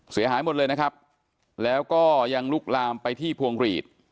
เสียหายหมดเลยนะครับแล้วก็ยังลุกลามไปที่พวงหลีด